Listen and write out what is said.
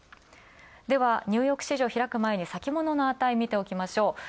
では、ニューヨーク市場が開く前に先物を確認しておきましょう。